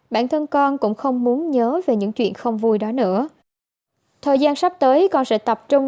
bản thân con cũng không muốn nhớ về những chuyện không vui đó nữa thời gian sắp tới con sẽ tập trung